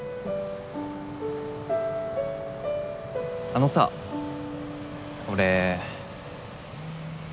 あのさ俺。